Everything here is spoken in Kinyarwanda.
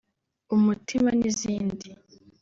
umutima n’izindi